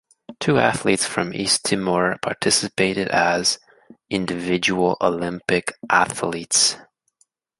Two athletes from East Timor participated as "Individual Olympic Athletes".